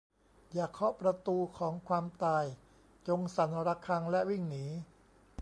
อย่าเคาะประตูของความตาย จงสั่นระฆังและวิ่งหนี